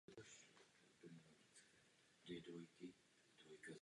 Žila zde v domě uprostřed lesní obory.